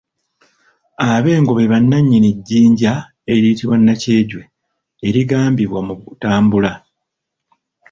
Abengo be bannannyini jjinja eriyitibwa nakyejwe erigambibwa mu Butambula.